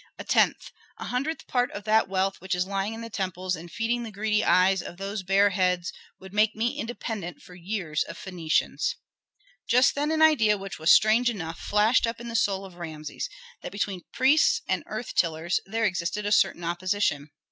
A tenth, a hundredth part of that wealth which is lying in the temples and feeding the greedy eyes of those bare heads would make me independent for years of Phœnicians." Just then an idea which was strange enough flashed up in the soul of Rameses, that between priests and earth tillers there existed a certain opposition.